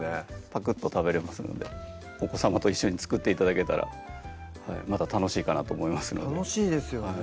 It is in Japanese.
パクッと食べれますのでお子さまと一緒に作って頂けたらまた楽しいかなと思いますので楽しいですよね